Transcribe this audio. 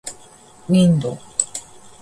window